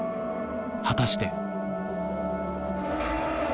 果たして。